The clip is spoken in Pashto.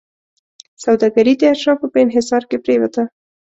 سوداګري د اشرافو په انحصار کې پرېوته.